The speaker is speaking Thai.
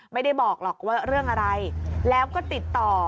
ไม่ได้บอกหรอกว่าเรื่องอะไรแล้วก็ติดต่อ